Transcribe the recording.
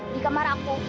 di kamar aku